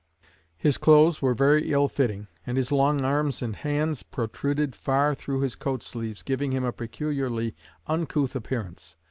His clothes were very ill fitting, and his long arms and hands protruded far through his coat sleeves, giving him a peculiarly uncouth appearance.